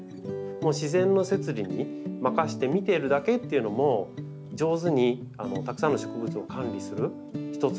自然の摂理に任せて見てるだけっていうのも上手にたくさんの植物を管理する一つのポイントなんです。